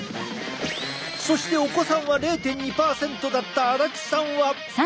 そしてお子さんは０．２％だった足立さんは。